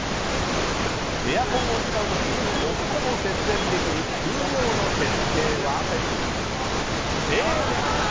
エアコンを使う時最も節電できる風量の設定はＡです！